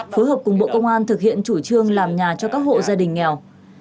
phối hợp cùng bộ công an thực hiện chủ trương làm nhà cho các hộ gia đình nghèo